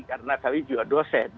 karena kami juga dosen